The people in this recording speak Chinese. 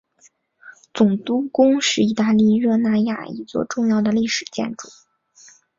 总督宫是意大利热那亚一座重要的历史建筑。